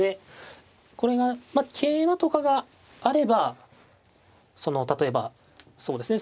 これが桂馬とかがあれば例えばそうですね